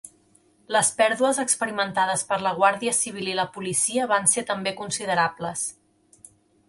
Les pèrdues experimentades per la Guàrdia Civil i la policia van ser també considerables.